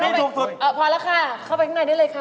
ถูกสุดพอแล้วค่ะเข้าไปข้างในได้เลยค่ะ